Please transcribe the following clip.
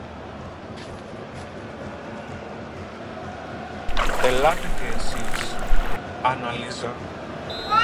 Ελάτε και σεις, Άννα Λίζα